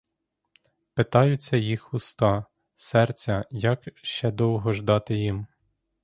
Питаються їх уста, серця, як ще довго ждати їм?